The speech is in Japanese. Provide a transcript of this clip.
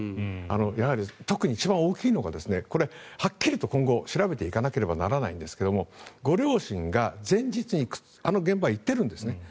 やはり特に一番大きいのがはっきりと今後、調べていかなければならないんですがご両親が前日にあの現場に行っているんです。